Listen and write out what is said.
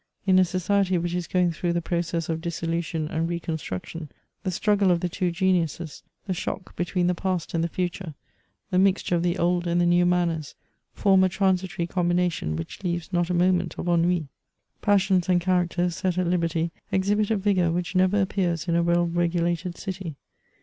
In a society which is going through the process of dissolution and reconstruction, the struggle of the two geniuses, the shock between the past and the future, the mixture of the old and the new manners, form a transitory combination, which leaves not a moment of ennui. Passions and characters set at liberty exhibit a vigour which never appears in a well regu lated city.